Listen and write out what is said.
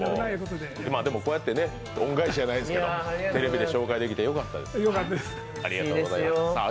今、こうやって恩返しじゃないですけど、テレビで紹介できてよかったです。